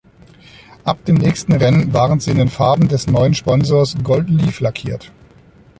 Ab dem nächsten Rennen waren sie in den Farben des neuen Sponsors Gold-Leaf lackiert.